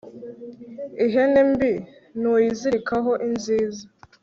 ihene mbi ntuyizirikaho inziza